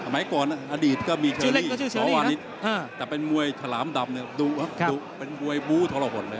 มาก่อนอาจารย์ก็มีเชอรี่สววานิดแต่เป็นหมวยเขลามดำนึงดูอยู่เป็นมวยบูทรพน